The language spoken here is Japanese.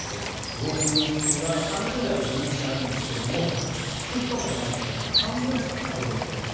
ゴールデンウィーク中は３０台、人力車あるんですが引く人がいないから半分しか稼働できなかった。